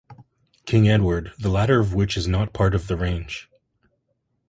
King Edward, the latter of which is not part of the range.